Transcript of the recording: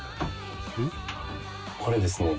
これですね